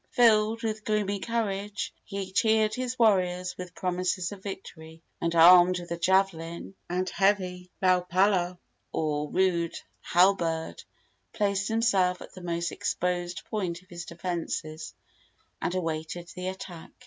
Filled with gloomy courage, he cheered his warriors with promises of victory, and, armed with a javelin and heavy laau palau, or rude halberd, placed himself at the most exposed point of his defences and awaited the attack.